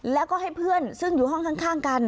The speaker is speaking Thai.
แล้วก็ให้เพื่อนซึ่งอยู่ห้องข้างกัน